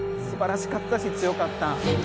素晴らしかったし強かった。